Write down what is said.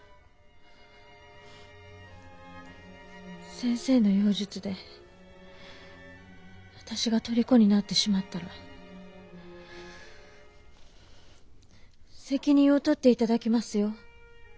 先生の妖術で私が虜になってしまったら責任を取って頂きますよ。